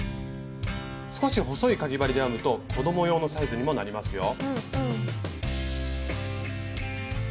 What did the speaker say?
少し細いかぎ針で編むと子ども用のサイズにもなりますよ。